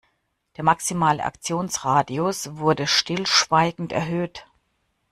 Der maximale Aktionsradius wurde stillschweigend erhöht.